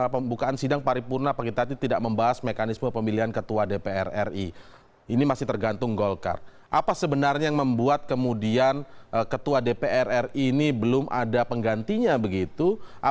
pembangunan negara meski secara detil belum dibahas